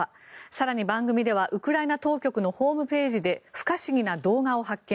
更に、番組ではウクライナ当局のホームページで不可思議な動画を発見。